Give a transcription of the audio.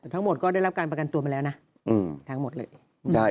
ทั้งหมดก็ได้รับการประกันตัวมาแล้วนะทั้งหมดเลย